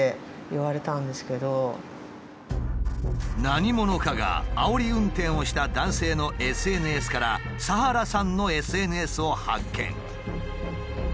何者かがあおり運転をした男性のＳＮＳからさはらさんのＳＮＳを発見。